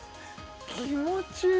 気持ちいい